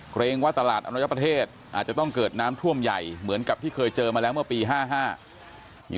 เกรงว่าตลาดอรยประเทศอาจจะต้องเกิดน้ำท่วมใหญ่เหมือนกับที่เคยเจอมาแล้วเมื่อปีห้าห้า